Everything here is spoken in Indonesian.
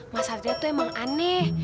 mas arja tuh emang aneh